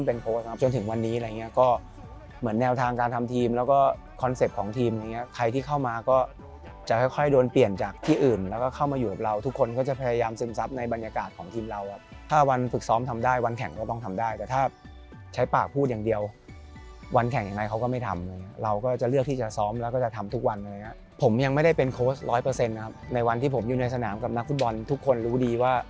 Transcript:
เปลี่ยนจากที่อื่นแล้วก็เข้ามาอยู่กับเราทุกคนก็จะพยายามซึมซับในบรรยากาศของทีมเราถ้าวันฝึกซ้อมทำได้วันแข่งก็ต้องทำได้แต่ถ้าใช้ปากพูดอย่างเดียววันแข่งยังไงเขาก็ไม่ทำเราก็จะเลือกที่จะซ้อมแล้วก็จะทำทุกวันผมยังไม่ได้เป็นโค้ชร้อยเปอร์เซ็นต์นะครับในวันที่ผมอยู่ในสนามกับนักฟุตบอลทุกคนรู้ด